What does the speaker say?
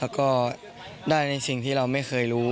แล้วก็ได้ในสิ่งที่เราไม่เคยรู้